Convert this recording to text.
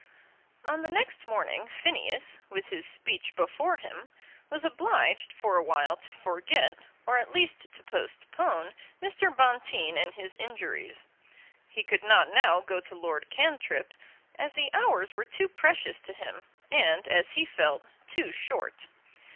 On the next morning Phineas, with his speech before him, was obliged for a while to forget, or at least to postpone, Mr. Bonteen and his injuries. He could not now go to Lord Cantrip, as the hours were too precious to him, and, as he felt, too short.